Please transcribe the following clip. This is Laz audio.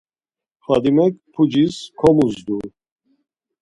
Fadimek pucis komuzdu.